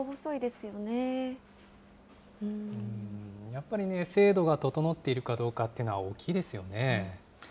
やっぱりね、制度が整っているかどうかっていうのは大きいですよね。